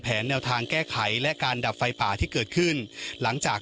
แนวทางแก้ไขและการดับไฟป่าที่เกิดขึ้นหลังจาก